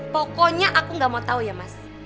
pokoknya aku nggak mau tahu ya mas